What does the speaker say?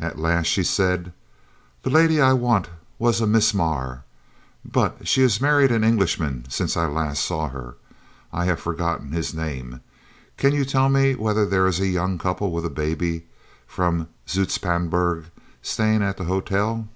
At last she said: "The lady I want was a Miss Maré, but she has married an Englishman since last I saw her, and I have forgotten his name. Can you tell me whether there is a young couple with a baby, from Zoutpansberg, staying at the hotel?"